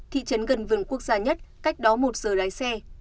thị trấn gần vườn quốc gia nhất cách đó một giờ lái xe